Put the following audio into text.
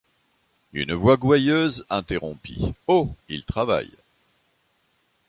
Une voix gouailleuse interrompit :— Oh ! il travaille…